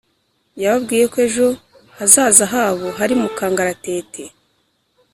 yababwiye ko ejo hazaza habo hari mu kangara tete